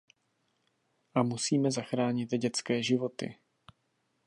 A musíme zachránit dětské životy.